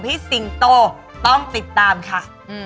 สิงโตต้องติดตามค่ะ